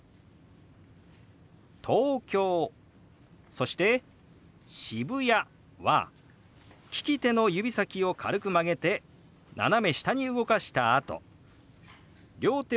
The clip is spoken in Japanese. そして「渋谷」は利き手の指先を軽く曲げて斜め下に動かしたあと両手をこのように動かします。